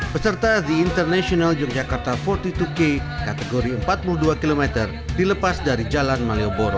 peserta the international yogyakarta empat puluh dua k kategori empat puluh dua km dilepas dari jalan malioboro